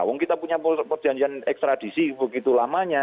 wong kita punya perjanjian ekstradisi begitu lamanya